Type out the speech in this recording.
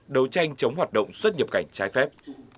đấu tranh chống hoạt động xuất nhập cảnh trái phép